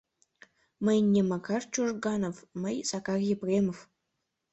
— Мый не Макар Чужганов, мый Сакар Епремов...